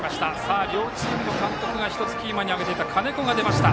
両チームの監督がキーマンに挙げていた金子が出ました。